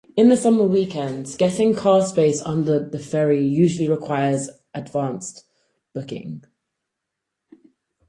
In the summer weekends, getting car space on the ferry usually requires advance booking.